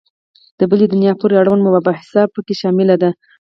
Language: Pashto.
د بلي دنیا پورې اړوند مباحث په کې شامل دي.